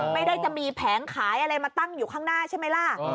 ไม่ได้จะมีแผงขายอะไรมาตั้งอยู่ข้างหน้าใช่ไหมล่ะ